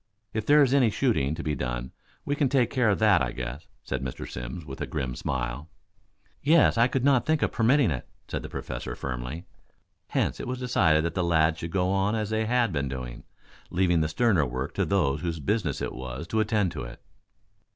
If there is any shooting to be done, we can take care of that, I guess," said Mr. Simms, with a grim smile. "Yes, I could not think of permitting it," said the Professor firmly; hence it was decided that the lads should go on as they had been doing, leaving the sterner work to those whose business it was to attend to it.